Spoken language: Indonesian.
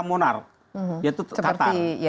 monark yaitu qatar